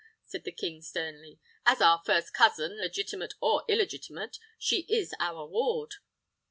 said the king, sternly. "As our first cousin, legitimate or illegitimate, she is our ward."